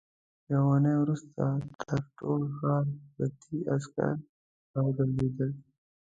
يوه اوونۍ وروسته تر ټول ښار پردي عسکر راوګرځېدل.